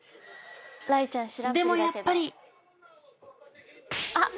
でもやっぱりあっ。